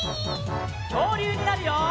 きょうりゅうになるよ！